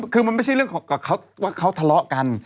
คือมันไม่ใช่เรื่องว่าเขาทะเลาะกัน